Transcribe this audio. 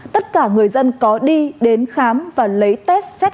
tất cả người dân có đi đến khám và lấy test xét